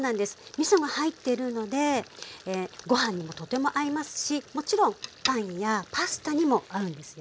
みそが入ってるのでご飯にもとても合いますしもちろんパンやパスタにも合うんですよ。